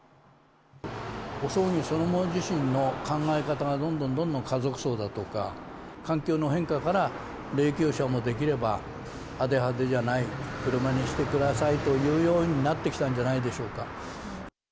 ご葬儀そのもの自身の考え方が、どんどんどんどん家族葬だとか、環境の変化から、霊きゅう車もできれば派手派手じゃない、車にしてくださいというようになってきたんじゃないでしょうか。